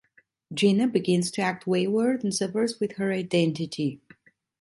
Gina begins to act wayward and suffers with her identity.